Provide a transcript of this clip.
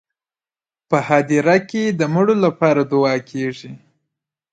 په هدیره کې د مړو لپاره دعا کیږي.